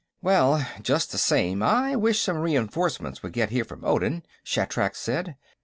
"Well, just the same, I wish some reenforcements would get here from Odin," Shatrak said.